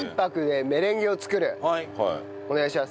お願いします。